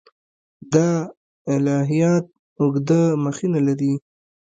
دا الهیات اوږده مخینه لري.